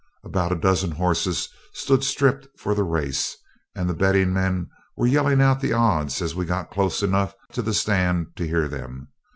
About a dozen horses stood stripped for the race, and the betting men were yelling out the odds as we got close enough to the stand to hear them.